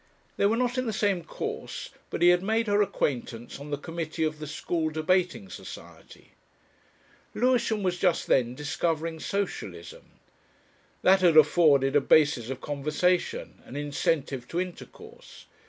They were not in the same course, but he had made her acquaintance on the committee of the school Debating Society. Lewisham was just then discovering Socialism. That had afforded a basis of conversation an incentive to intercourse.